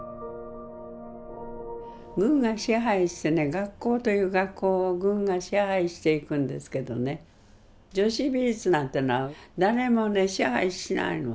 軍が支配してね学校という学校を軍が支配していくんですけどね女子美術なんてのは誰もね支配しないの。